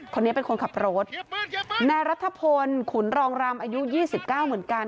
คนนี้เป็นคนขับรถนายรัฐพลขุนรองรำอายุยี่สิบเก้าเหมือนกัน